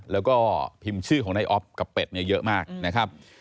แล้วก็พิมพ์ชื่อของนายอ๊อฟกับเป็ดเนี่ยเยอะมากนะครับ